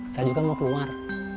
saya juga mau keluar